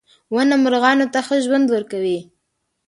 • ونه مرغانو ته ښه ژوند ورکوي.